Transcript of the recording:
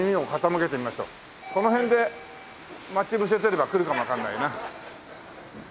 この辺で待ち伏せてれば来るかもわかんないな。